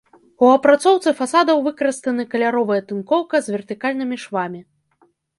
У апрацоўцы фасадаў выкарыстаны каляровая тынкоўка з вертыкальнымі швамі.